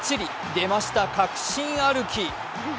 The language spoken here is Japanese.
出ました、確信歩き。